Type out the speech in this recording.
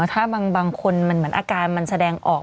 ถ้าบางคนมันเหมือนอาการมันแสดงออก